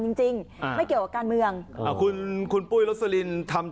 จริงจริงอ่าไม่เกี่ยวกับการเมืองอ่าคุณคุณปุ้ยรสลินทำ